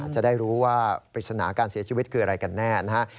จะได้รู้ว่าปริศนาการเสียชีวิตคืออะไรกันแน่นะฮะ